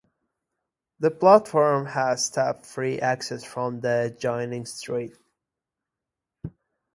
The platform has step-free access from the adjoining street.